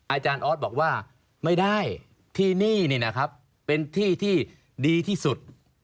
อาจารย์ออสบอกว่าไม่ได้ที่นี่นะครับเป็นที่ที่ดีที่สุด